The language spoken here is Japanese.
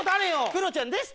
クロちゃんです！